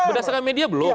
berdasarkan media belum